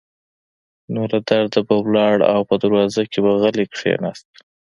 نو له درده به لاړ او په دروازه کې به غلی کېناست.